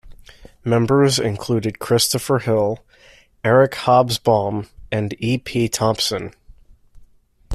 Members included Christopher Hill, Eric Hobsbawm and E. P. Thompson.